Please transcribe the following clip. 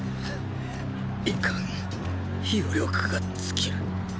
いかん余力が尽きる